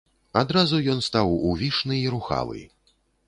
Адразу ён стаў увішны і рухавы.